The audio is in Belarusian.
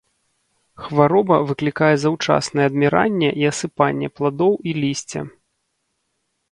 Хвароба выклікае заўчаснае адміранне і асыпанне пладоў і лісця.